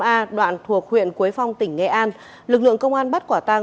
bốn mươi tám a đoạn thuộc huyện quế phong tỉnh nghệ an lực lượng công an bắt quả tang